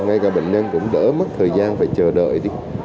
ngay cả bệnh nhân cũng đỡ mất thời gian phải chờ đợi đi